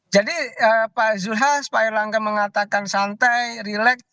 jadi pak zulhas pak irlangga mengatakan santai relax